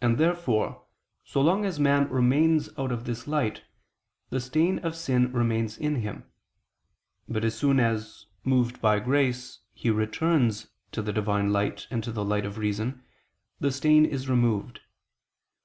And therefore so long as man remains out of this light, the stain of sin remains in him: but as soon as, moved by grace, he returns to the Divine light and to the light of reason, the stain is removed.